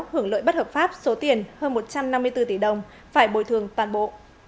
hưởng lợi bất hợp pháp số tiền hơn một trăm năm mươi bốn tỷ đồng phải bồi thường toàn bộ